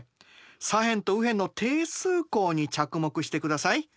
左辺と右辺の定数項に着目してください。